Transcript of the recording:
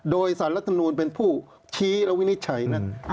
โดยสารรัฐมนูลเป็นผู้ชี้และวินิจฉัยนั้น